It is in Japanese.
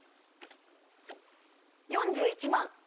４１万。